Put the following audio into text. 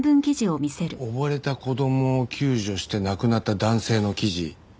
溺れた子供を救助して亡くなった男性の記事。